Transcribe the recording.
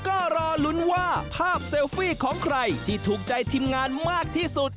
ก็รอลุ้นว่าภาพเซลฟี่ของใครที่ถูกใจทีมงานมากที่สุด